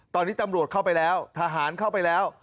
ตอนนี้ตำรวจเข้าไปแล้วทหารเข้าไปแล้ว